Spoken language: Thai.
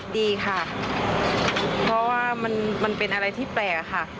ดีค่ะเพราะว่ามันเป็นอะไรที่แปลกค่ะ